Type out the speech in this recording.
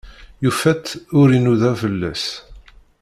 Yufa-tt ur inuda fell-as.